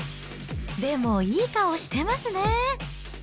でも、いい顔してますね。